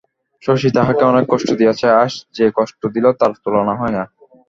শশী তাহাকে অনেক কষ্ট দিয়াছে, আজ যে কষ্ট দিল তার তুলনা হয় না।